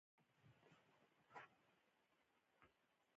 که تر نن ورځې تېره کړه بیا بریالی نه وي.